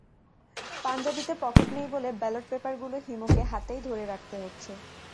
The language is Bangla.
পাঞ্জাবিতে পকেট নেই বলে ব্যালট পেপারগুলো হিমুকে হাতেই ধরে রাখতে হচ্ছে।